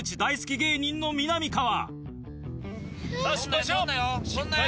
芸人のみなみかわ。